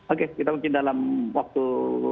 oke kita mungkin dalam waktu